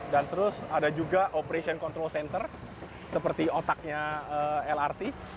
dan terus ada juga operation control center seperti otaknya lrt